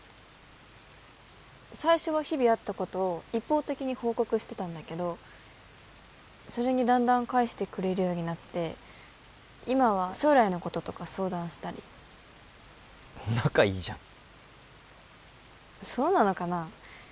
最初は日々あったことを一方的に報告してたんだけどそれにだんだん返してくれるようになって今は将来のこととか相談したり仲いいじゃんそうなのかな？